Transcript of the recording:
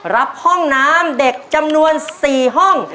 รับห้องน้ำเด็กจำนวน๔ห้อง